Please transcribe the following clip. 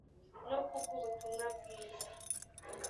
no ku bw ubutumwa bwiza